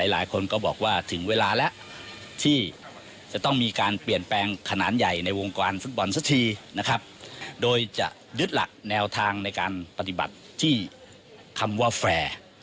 สักทีนะครับโดยจะดึดหลักแนวทางในการปฏิบัติที่คำว่าแฟร์